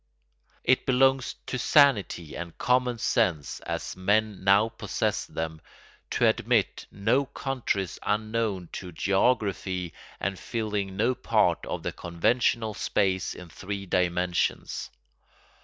It belongs to sanity and common sense, as men now possess them, to admit no countries unknown to geography and filling no part of the conventional space in three dimensions.